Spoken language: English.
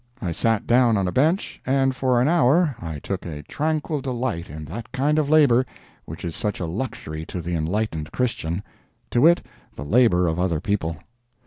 I sat down on a bench, and for an hour I took a tranquil delight in that kind of labor which is such a luxury to the enlightened Christian to wit the labor of other people.